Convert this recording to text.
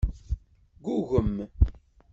Ggugem.